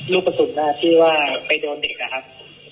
ลูกสุนหน้าที่ว่าไปโดนเด็กนะครับ